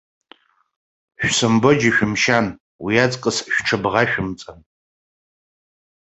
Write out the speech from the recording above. Шәсымбо џьышәымшьан, уиаҵкыс шәҽыбӷашәымҵан!